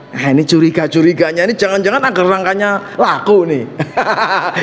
nah ini curiga curiganya ini jangan jangan agar rangkanya laku nih